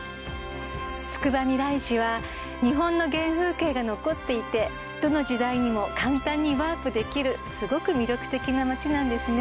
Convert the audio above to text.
つくばみらい市は日本の原風景が残っていてどの時代にも簡単にワープできるすごく魅力的なまちなんですね